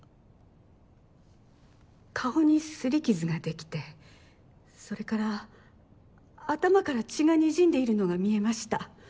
顔に擦り傷が出来てそれから頭から血がにじんでいるのが見えました。